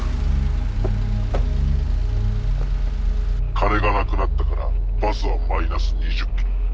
金がなくなったからバスはマイナス２０ｋｇ。